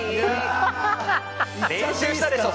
練習したでしょ！